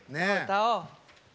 歌おう。